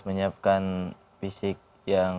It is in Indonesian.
menyiapkan fisik yang